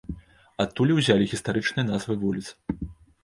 Адтуль і ўзялі гістарычныя назвы вуліц.